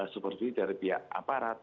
seperti dari pihak aparat